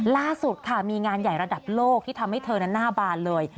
ล่าสุดค่ะมีงานใหญ่ระดับโลกที่ทำให้เธอนั้นหน้าบานเลย